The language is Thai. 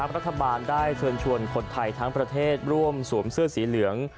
รัฐบาลได้เชิญชวนคนไทยทั้งประเทศร่วมสวมเสื้อสีเหลือง